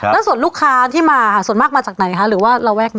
แล้วส่วนลูกค้าที่มาส่วนมากมาจากไหนคะหรือว่าระแวกนั้น